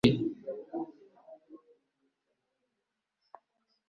ibyo kurya bye byahiye